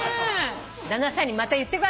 旦那さんにまた言ってください。